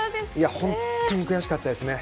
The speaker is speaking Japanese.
本当に悔しかったですね。